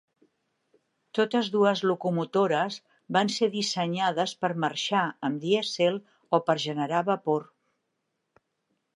Totes dues locomotores van ser dissenyades per marxar amb dièsel o per generar vapor.